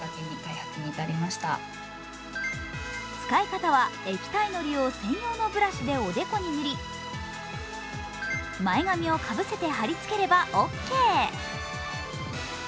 使い方は液体のりを専用のブラシでおでこに塗り前髪をかぶせて貼り付ければオッケー。